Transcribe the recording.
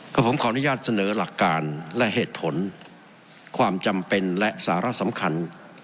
ก็ผมขออนุญาตเสนอหลักการและเหตุผลความจำเป็นและสาระสำคัญ